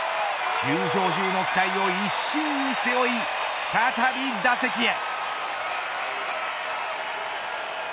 球場中の期待を一身に背負い再び打席へ。